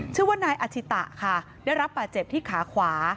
ชื่อว่านายอาชิตะค่ะได้รับบาดเจ็บที่ขาขวา